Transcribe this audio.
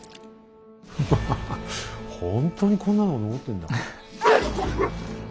フハハハほんとにこんなの残ってんだ。